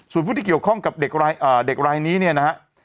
ส่วนผู้ที่เกี่ยวข้องกับเด็กรายนี้เนี่ยนะฮะ